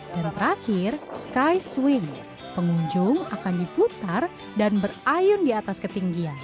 dari terakhir sky swing pengunjung akan diputar dan berayun di atas ketinggian